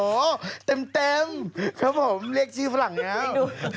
โอ้โหเต็มครับผมเรียกชื่อฝรั่งแล้ว